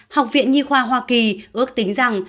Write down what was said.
học viện nhi khoa hoa kỳ ước tính rằng